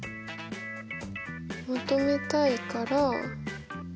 求めたいから。